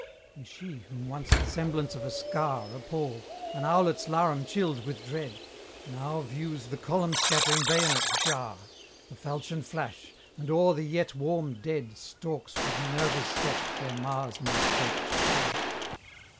And she, whom once the semblance of a scar Appalled, an owlet's larum chilled with dread, Now views the column scattering bayonet jar, The falchion flash, and o'er the yet warm dead Stalks with Minerva's step where Mars might quake to tread.